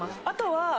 あとは。